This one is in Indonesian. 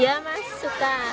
iya mas suka